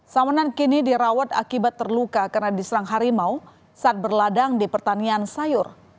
samanan kini dirawat akibat terluka karena diserang harimau saat berladang di pertanian sayur